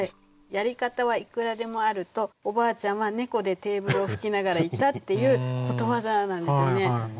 「『やり方はいくらでもある』と、おばあちゃんは猫でテーブルを拭きながら言った」っていうことわざなんですよね。